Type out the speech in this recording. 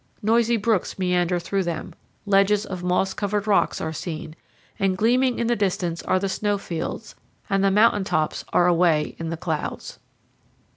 Noisy brooks meander through them; ledges of moss covered rocks are seen; and gleaming in the distance are the snow fields, and the mountain tops are away in the clouds.